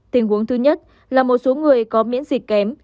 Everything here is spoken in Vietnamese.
tình huống thứ nhất là một số người có miễn dịch kém